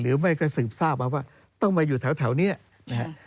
หรือไม่ก็สืบทราบมาว่าต้องมาอยู่แถวนี้นะฮะ